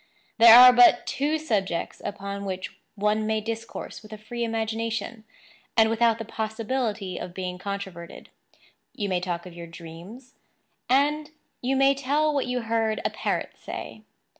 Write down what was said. There are but two subjects upon which one may discourse with a free imagination, and without the possibility of being controverted. You may talk of your dreams; and you may tell what you heard a parrot say.